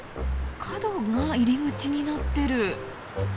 角が入り口になってる。